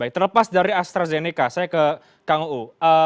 terlepas dari astrazeneca saya ke kang u